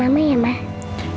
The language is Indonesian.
sama om baiknya rena ya